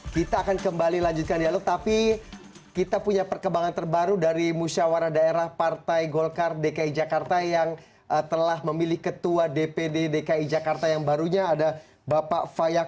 kita akan jawab usaha jenis berikut ini tetap bersama kami